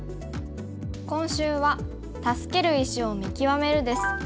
今週は「助ける石を見極める」です。